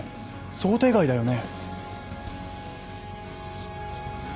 想定外だよね？